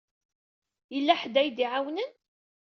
Yella ḥedd ara yi-d-iɛawnen?